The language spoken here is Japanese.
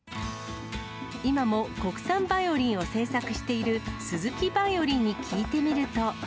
今も国産バイオリンを製作している鈴木バイオリンに聞いてみると。